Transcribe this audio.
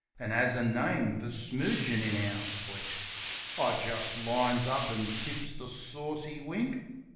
An' 'as a name for smoogin' in our click! I just lines up an' tips the saucy wink.